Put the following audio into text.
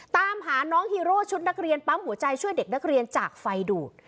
ตามหาน้องฮีโร่ชุดนักเรียนปั๊มหัวใจช่วยเด็กนักเรียนจากไฟดูด